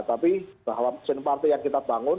tapi bahwa mesin partai yang kita bangun